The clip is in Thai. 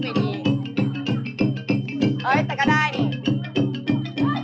เมื่อกี้แต่เห็นแล้ว